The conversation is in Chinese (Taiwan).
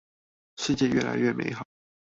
世界越來越美好